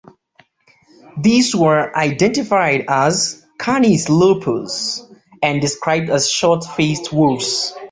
These were identified as "Canis lupus" and described as "short-faced wolves".